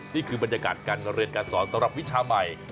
นี่คือบรรยากาศการเรียนการสอนสำหรับวิชาใหม่